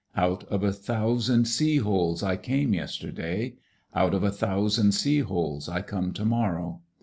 North Atlantic 187 Out of a thousand sea holes I came yesterday. Out of a thousand sea holes I come to morrow.